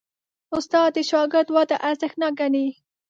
استاد د شاګرد وده ارزښتناک ګڼي.